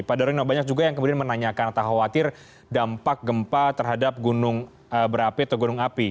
pak daryono banyak juga yang kemudian menanyakan atau khawatir dampak gempa terhadap gunung berapi atau gunung api